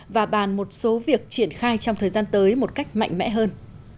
và bàn một số việc triển khai trong thời gian tới một cách mạnh mẽ hơn